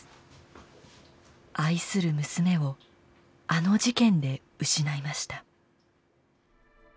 愛する娘を「あの事件」で失いました。